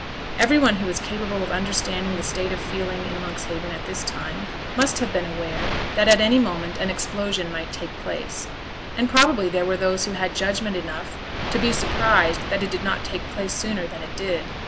Every one who was capable of understanding the state of feeling in Monkshaven at this time must have been aware that at any moment an explosion might take place; and probably there were those who had judgment enough to be surprised that it did not take place sooner than it did.